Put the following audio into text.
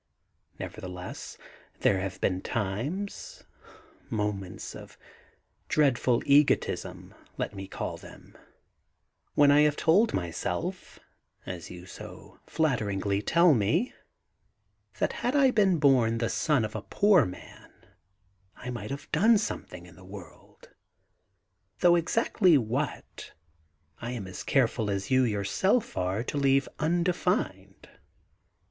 * Nevertheless, there have been times — ^moments of dreadful egotism let me call them — when I have told myself, as you so flatteringly tell me, that had I been bom the son of a poor man I might have done something in the world, though exactly what, I am as careful as you yourself are to leave unde fined.